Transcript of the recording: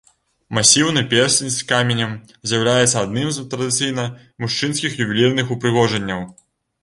Масіўны персцень з каменем з'яўляецца адным з традыцыйна мужчынскіх ювелірных упрыгажэнняў.